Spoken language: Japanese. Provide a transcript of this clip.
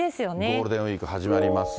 ゴールデンウィーク始まります。